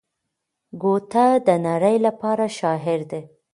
ګوته د نړۍ لپاره شاعر دی.